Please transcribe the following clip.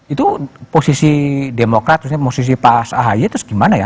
itu posisi demokrat posisi pak ahy terus gimana ya